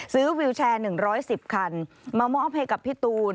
วิวแชร์๑๑๐คันมามอบให้กับพี่ตูน